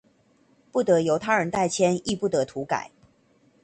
不得由他人代簽亦不得塗改